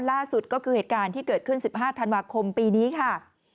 ล่าสุดก็คือเหตุการณ์ที่เกิดขึ้น๑๕ธันวาคมปีนี้ค่ะ